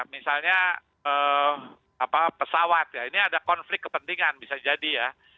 misalnya pesawat ya ini ada konflik kepentingan bisa jadi ya